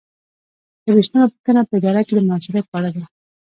درویشتمه پوښتنه په اداره کې د مؤثریت په اړه ده.